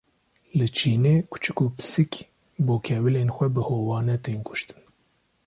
Li Çînê kûçik û pisîk, bo kevilên xwe bi hovane tên kuştin